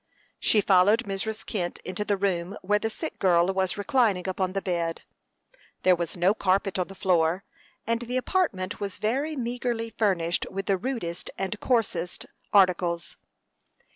She followed Mrs. Kent into the room where the sick girl was reclining upon the bed. There was no carpet on the floor, and the apartment was very meagerly furnished with the rudest and coarsest articles.